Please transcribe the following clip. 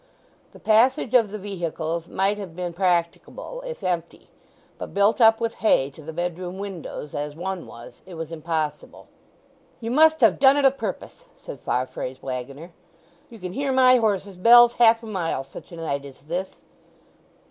The passage of the vehicles might have been practicable if empty; but built up with hay to the bedroom windows as one was, it was impossible. "You must have done it a' purpose!" said Farfrae's waggoner. "You can hear my horses' bells half a mile such a night as this!"